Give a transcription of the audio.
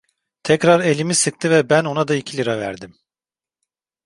Tekrar elimi sıktı ve ben ona da iki lira verdim…